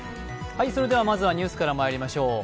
それではまずはニュースからまいりましょう。